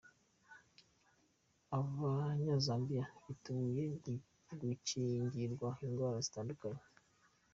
Abanyazambiya biteguye gukingirwa indwara zitandura